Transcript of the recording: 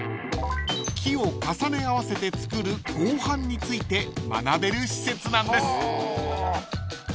［木を重ね合わせて作る合板について学べる施設なんです］